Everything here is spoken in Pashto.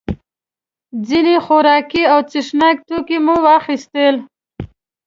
ځینې خوراکي او څښاک توکي مو واخیستل.